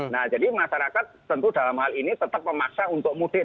nah jadi masyarakat tentu dalam hal ini tetap memaksa untuk mudik